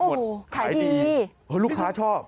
ขายดีลูกค้าชอบ